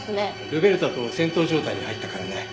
ルベルタと戦闘状態に入ったからね。